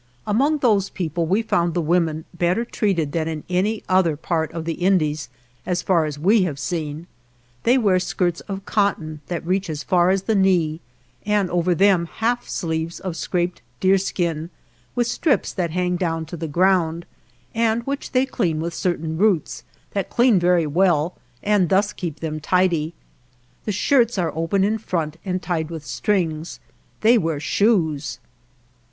Among those people we found the women better treated than in any other part of the Indies as far as we have seen. They wear skirts of cotton that reach as far as the knee, and over them half sleeves of scraped deer skin, with strips that hang down to the ground, and which they clean with certain roots, that clean very well and thus keep them tidy. The shirts are open in front and tied with strings ; they wear shoes.